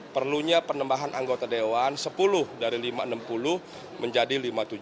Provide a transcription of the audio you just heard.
perlunya penambahan anggota dewan sepuluh dari lima ratus enam puluh menjadi lima ratus tujuh puluh